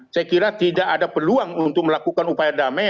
saya kira tidak ada peluang untuk melakukan upaya damai